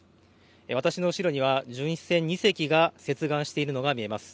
私の後ろには巡視船２隻が接岸しているのが見えます。